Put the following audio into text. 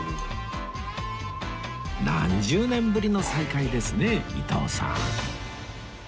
何十年ぶりの再会ですね伊東さん